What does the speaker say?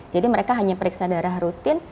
jadi mereka hanya periksa darah rutin